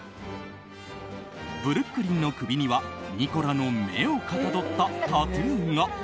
ブルックリンの首にはニコラの目をかたどったタトゥーが。